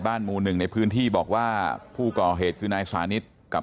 หมู่หนึ่งในพื้นที่บอกว่าผู้ก่อเหตุคือนายสานิทกับ